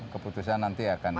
keputusan nanti akan di kmh